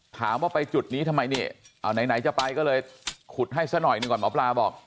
ถามว่าไปจุดนี้ทำไมนี่เอาไหนจะไปก็เลยขุดให้ซะหน่อยหนึ่งก่อนหมอปลาบอก